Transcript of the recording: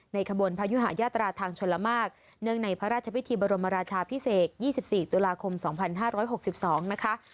ขบวนพยุหายาตราทางชนละมากเนื่องในพระราชพิธีบรมราชาพิเศษ๒๔ตุลาคม๒๕๖๒นะคะ